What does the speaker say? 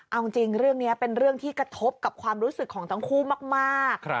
เอาจริงเรื่องนี้เป็นเรื่องที่กระทบกับความรู้สึกของทั้งคู่มาก